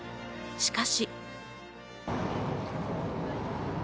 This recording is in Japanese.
しかし。